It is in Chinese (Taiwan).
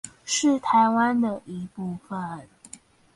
是台灣的一部分